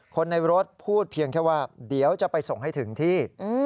คนในรถพูดเพียงแค่ว่าเดี๋ยวจะไปส่งให้ถึงที่